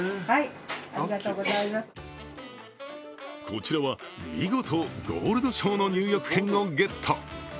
こちらは見事、ゴールド賞の入浴券をゲット。